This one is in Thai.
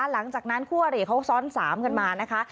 หลังจากนั้นคู่อริเขาซ้อนสามกันมานะคะ